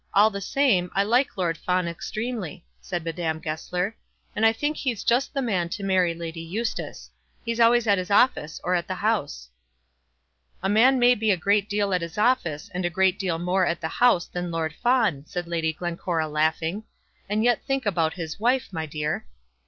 All the same, I like Lord Fawn extremely," said Madame Goesler, "and I think he's just the man to marry Lady Eustace. He's always at his office or at the House." "A man may be a great deal at his office, and a great deal more at the House than Lord Fawn," said Lady Glencora laughing, "and yet think about his wife, my dear."